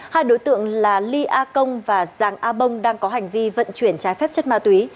hai đối tượng là ly a công và giàng a bông đang có hành vi vận chuyển trái phép chất ma túy